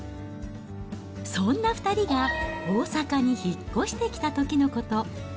そんな２人が大阪に引っ越してきたときのこと。